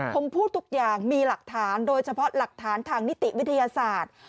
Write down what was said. ผมพูดทุกอย่างมีหลักฐานโดยเฉพาะหลักฐานทางนิติวิทยาศาสตร์